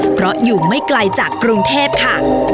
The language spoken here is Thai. เพราะอยู่ไม่ไกลจากกรุงเทพค่ะ